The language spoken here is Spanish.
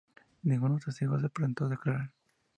Ningún testigo se presentó a declarar.